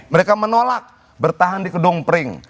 mereka menolak bertahan di gedung pering